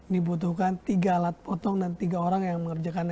dibutuhkan tiga alat potong dan tiga orang yang mengerjakan